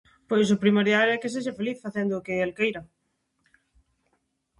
Pois o primordial é que sexa feliz facendo o que el queira.